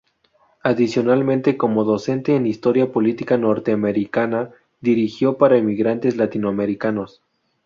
Adicionalmente, como docente en Historia Política Norteamericana dirigido para emigrantes latinoamericanos.